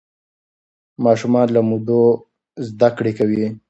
ماشومان له مودې زده کړه کوي.